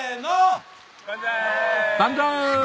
万歳！